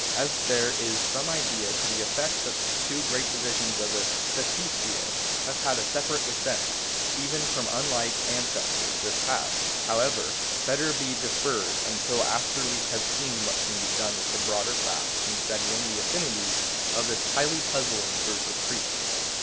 As there is some idea to the effect that the two great divisions of the Cetacea have had a separate descent, even from unlike ances tors, this had, however, better be deferred until after we have seen what can be done with the broader facts in settling the affinities of this highly puzzling group of creatures.